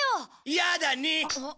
やだね。